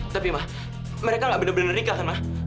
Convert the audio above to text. tapi ma mereka gak bener bener nikah kan ma